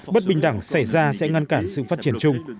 bất bình đẳng xảy ra sẽ ngăn cản sự phát triển chung